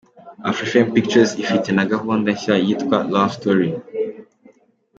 Afrifame Pictures ifite na gahunda nshya yitwa ’Lovestory’.